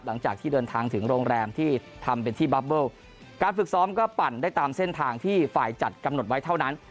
หลังจากที่เดินทางถึงโรงแรมที่ทำเป็นที่บับเบิลการฝึกซ้อมก็ปั่นได้ตามเส้นทางที่ฝ่ายจัดกำหนดไว้เท่านั้น